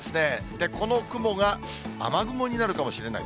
で、この雲が雨雲になるかもしれない。